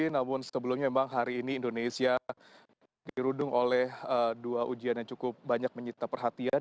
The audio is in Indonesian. namun sebelumnya memang hari ini indonesia dirudung oleh dua ujian yang cukup banyak menyita perhatian